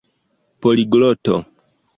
poligloto